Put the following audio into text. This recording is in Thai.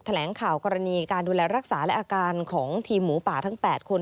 แถลงข่าวกรณีการดูแลรักษาและอาการของทีมหมูป่าทั้ง๘คน